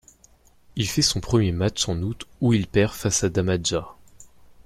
Il fait son premier match en août où il perd face à Damaja.